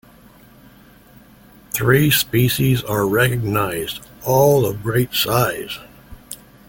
Three species are recognized, all of great size.